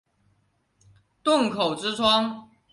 洞口之窗